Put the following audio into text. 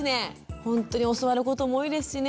ほんとに教わることも多いですしね。